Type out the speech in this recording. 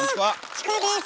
チコです